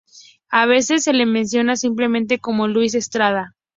A veces se le menciona simplemente como Luis de Estrada.